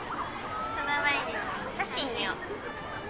その前にお写真見よ。